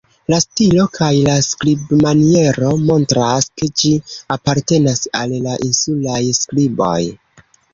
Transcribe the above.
La stilo kaj la skribmaniero montras, ke ĝi apartenas al la insulaj skriboj.